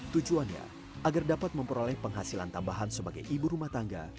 tujuannya agar dapat memperoleh penghasilan tambahan sebagai ibu rumah tangga